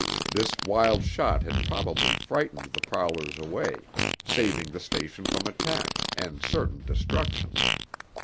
This wild shot had probably frightened the prowlers away, saving the station from attack, and certain destruction.